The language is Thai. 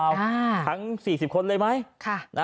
แต่เพื่อไทยหรือเปล่าทั้ง๔๐คนเลยไหม